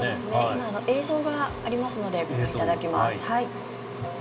今、映像がありますのでご覧いただきます。